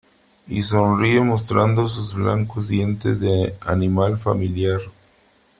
y sonríe mostrando sus blancos dientes de animal familiar .